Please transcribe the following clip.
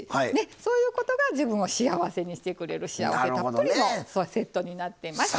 そういうことが自分を幸せにしてくれる幸せたっぷりのセットになってます。